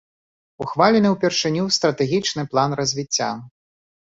Ухвалены ўпершыню стратэгічны план развіцця.